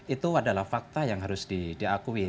itu adalah fakta yang harus diakui